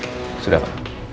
tak ada apa apa